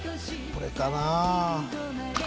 これかな？